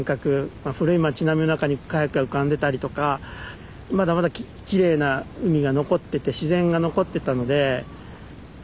まあ古い町並みの中にカヤックが浮かんでたりとかまだまだきれいな海が残ってて自然が残ってたのでえ！